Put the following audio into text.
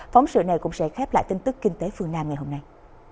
phóng sự này cũng sẽ khép lại tin tức kinh tế phương nam ngày hôm nay